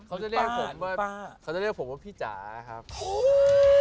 เขาจะเรียกผมว่าพี่จ๋านะครับหือป้า